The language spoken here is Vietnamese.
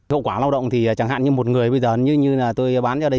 hậu quả lao động thì chẳng hạn như một người bây giờ như là tôi bán cho đây